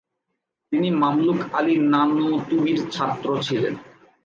তিনি মামলুক আলী নানুতুবির ছাত্র ছিলেন।